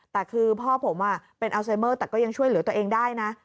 แต่คือพ่อผมเป็นอัลไซเมอร์แต่ก็ยังช่วยเหลือตัวเองได้นะ